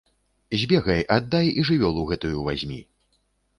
Збегай, аддай і жывёлу гэтую вазьмі.